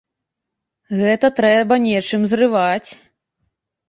Гэта трэба нечым зрываць.